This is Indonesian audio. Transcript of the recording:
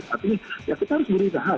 tapi ya kita harus beritahu